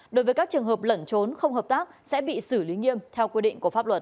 đối với các trường hợp lẩn trốn không hợp tác sẽ bị xử lý nghiêm theo quy định của pháp luật